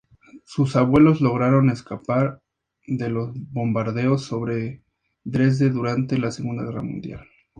Sus abuelos lograron escapar de los bombardeos sobre Dresde durante la Segunda Guerra Mundial.